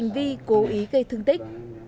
đi cố ý gây thương tích